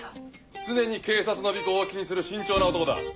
常に警察の尾行を気にする慎重な男だ。